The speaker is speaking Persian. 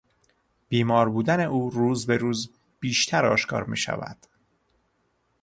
بیمار بودن او روز به روز بیشتر آشکار میشود.